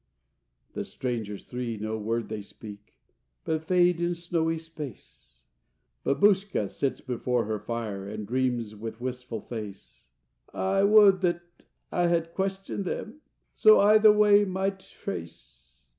The strangers three, no word they speak, But fade in snowy space! Babushka sits before her fire, And dreams, with wistful face: "I would that I had questioned them, So I the way might trace!